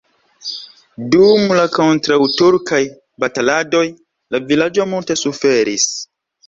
Dum la kontraŭturkaj bataladoj la vilaĝo multe suferis.